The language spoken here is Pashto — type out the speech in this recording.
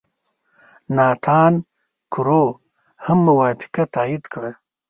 ناتان کرو هم موافقه تایید کړه.